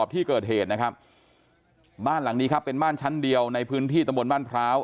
ที่เกิดเหตุนะครับบ้านหลังนี้ครับเป็นบ้านชั้นเดียวในพื้นที่ตำบลบ้านพร้าว